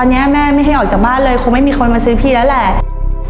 อันนี้แม่ไม่ให้ออกจากบ้านเลยคงไม่มีคนมาซื้อพี่แล้วแหละ